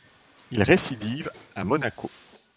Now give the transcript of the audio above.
Il récidive à Monaco.